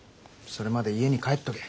それまで家に帰っとけ。